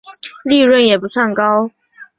利润也不算高